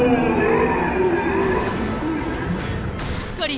しっかり。